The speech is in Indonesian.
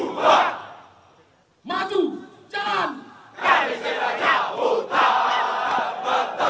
prajurit darma putra